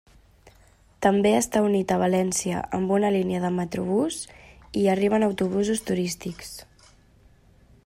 També està unit a València amb una línia de metrobús i hi arriben autobusos turístics.